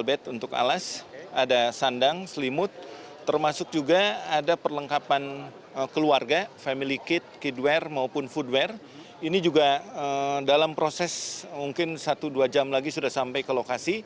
bersama saya ratu nabila